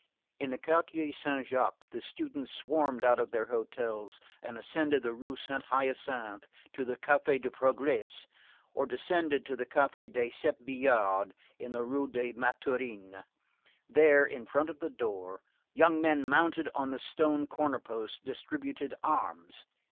In the Quartier Saint Jacques, the students swarmed out of their hotels and ascended the Rue Saint Hyacinthe to the Café du Progrèss, or descended to the Café des Sept Billards, in the Rue des Mathurins. There, in front of the door, young men mounted on the stone corner posts, distributed arms.